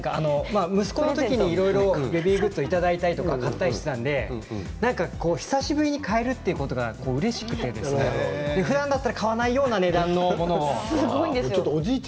息子の時にいろいろベビーグッズいただいたり、買ったりしていたので久しぶりに買えるということでうれしくてふだんだったら買わないようなブランドのもの。